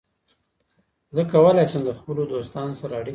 زه کولای شم د خپلو دوستانو سره اړیکه ونیسم.